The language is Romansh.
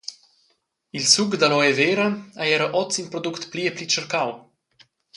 Il suc d’aloe vera ei era oz in product pli e pli tschercau.